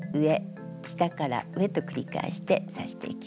下から上と繰り返して刺していきます。